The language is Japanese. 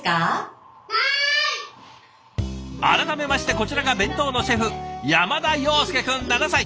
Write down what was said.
改めましてこちらが弁当のシェフ山田陽介くん７歳。